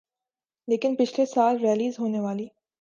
لیکن پچھلے سال ریلیز ہونے والی